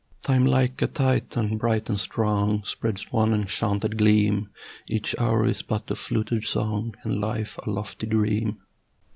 Time like a Titan bright and strong Spreads one enchanted gleam: Each hour is but a fluted song, And life a lofty dream.